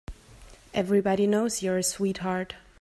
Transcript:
Everybody knows you're a sweetheart.